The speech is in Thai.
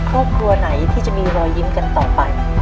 ครอบครัวไหนที่จะมีรอยยิ้มกันต่อไป